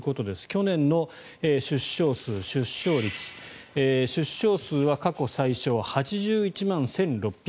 去年の出生数、出生率出生数は過去最少８１万１６０４人。